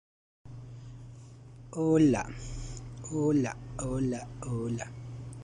Sofas, rocking chairs, tables, and a stove are placed in this room.